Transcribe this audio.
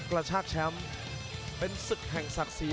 โปรดติดตามตอนต่อไป